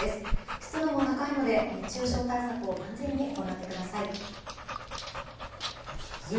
湿度も高いので熱中症対策を万全に行ってください。